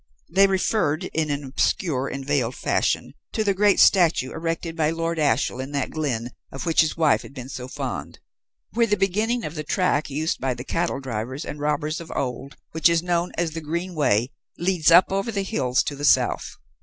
They referred, in an obscure and veiled fashion, to the great statue erected by Lord Ashiel in that glen of which his wife had been so fond; where the beginning of the track used by the cattle drivers and robbers of old, which is known as the Green Way, leads up over the hills to the south.